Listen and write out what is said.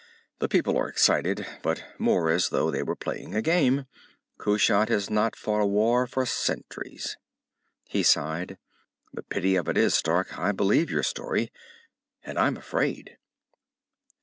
"The people are excited, but more as though they were playing a game. Kushat has not fought a war for centuries." He sighed. "The pity of it is, Stark, I believe your story. And I'm afraid."